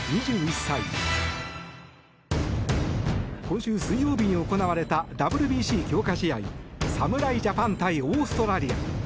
今週水曜日に行われたＷＢＣ強化試合侍ジャパン対オーストラリア。